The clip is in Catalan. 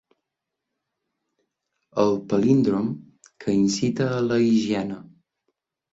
El palíndrom que incita a la higiene.